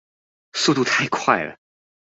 速度太快了